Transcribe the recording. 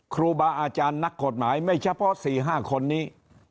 ครูบาอาจารย์นักกฎหมายไม่เฉพาะ๔๕คนนี้